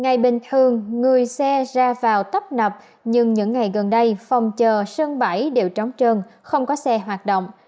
ngày bình thường người xe ra vào tấp nập nhưng những ngày gần đây phòng chờ sân bãi đều trống trơn không có xe hoạt động